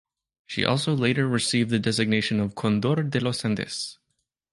She also later received the designation of "Condor de los Andes".